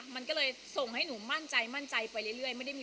มันก็เลยส่งให้หนูมั่นใจไปเรื่อยไม่ได้มีปัญหาตรงนี้